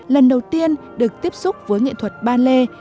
lần đầu tiên được tiếp xúc với nghệ thuật ballet